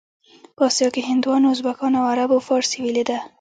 په اسیا کې هندوانو، ازبکانو او عربو فارسي ویلې ده.